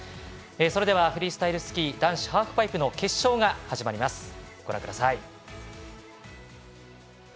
それではフリースタイルスキー男子ハーフパイプの決勝です。